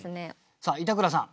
さあ板倉さん。